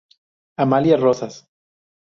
Amalia Rosas.